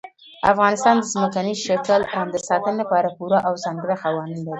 افغانستان د ځمکني شکل د ساتنې لپاره پوره او ځانګړي قوانین لري.